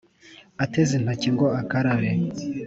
Ateze intoki ngo akarabe